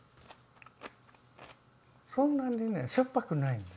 そんなにねしょっぱくないんです。